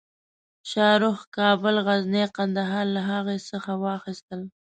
شاهرخ کابل، غزني او قندهار له هغه څخه واخیستل.